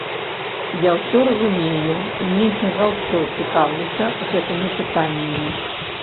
Я ўсё разумею і менш за ўсё цікаўлюся гэтымі пытаннямі.